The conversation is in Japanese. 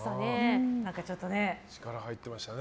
力入っていましたね。